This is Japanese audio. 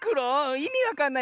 いみわかんない。